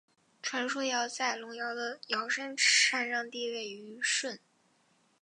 传说尧在隆尧的尧山禅让帝位予舜。